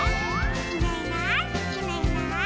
「いないいないいないいない」